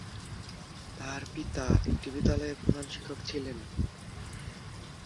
তার পিতা একটি বিদ্যালয়ের প্রধান শিক্ষক ছিলেন।